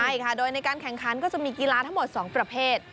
ใช่ค่ะโดยในการแข่งขันก็จะมีกีฬาทั้งหมด๒ประเภท